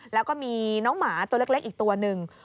แล้วก็มีน้องหมาตัวเล็กอีกตัวหนึ่ง